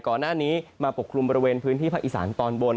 ก่อนหน้านี้มาปกคลุมบริเวณพื้นที่ภาคอีสานตอนบน